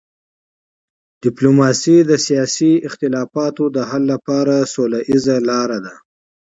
ډیپلوماسي د سیاسي اختلافاتو د حل لپاره سوله ییزه لار ده.